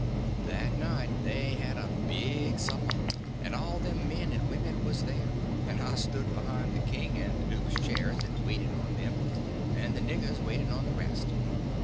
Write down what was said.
That night they had a big supper, and all them men and women was there, and I stood behind the king and the duke's chairs and waited on them, and the niggers waited on the rest.